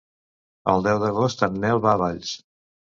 El deu d'agost en Nel va a Valls.